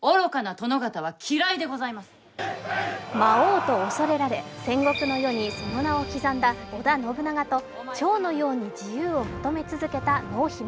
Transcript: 魔王と恐れられ戦国の世その名を刻んだ織田信長と蝶のように自由を求め続けた濃姫。